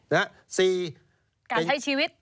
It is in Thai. ๔เป็นการใช้ชีวิต